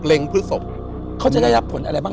พฤศพเขาจะได้รับผลอะไรบ้าง